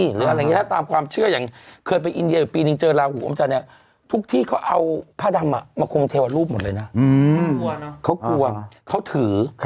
หรืออะไรอย่างนี้ถ้าตามความเชื่ออย่างเคยไปอินเดียอยู่ปีนึงเจอลาหูอมจันทร์เนี่ยทุกที่เขาเอาผ้าดำมาคงเทวรูปหมดเลยนะเขากลัวเขาถือ